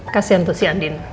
kasian tuh si andin